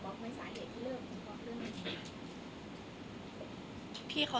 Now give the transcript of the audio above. คนเราถ้าใช้ชีวิตมาจนถึงอายุขนาดนี้แล้วค่ะ